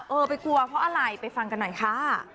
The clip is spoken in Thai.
เออไปกลัวเพราะอะไรไปฟังกันหน่อยค่ะ